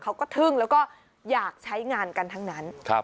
ทึ่งแล้วก็อยากใช้งานกันทั้งนั้น